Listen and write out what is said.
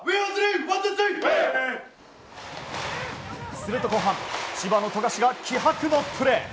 すると後半千葉の富樫が気迫のプレー。